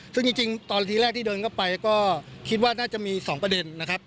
ซึ่งจริงตอนทีแรกที่เดินเข้าไปก็คิดว่าน่าจะมี๒ประเด็นนะครับ